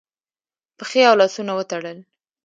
پښې او لاسونه وتړل